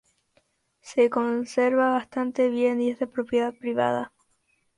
Se conserva bastante bien, y es de propiedad privada.